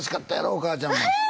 お母ちゃんもうわ！